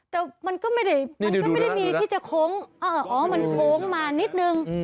แต่มันก็ไม่ได้มีที่จะโค้งมันโค้งมานิดหนึ่ง